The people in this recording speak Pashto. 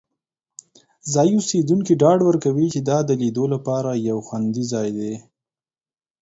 ځایی اوسیدونکي ډاډ ورکوي چې دا د لیدو لپاره یو خوندي ځای دی.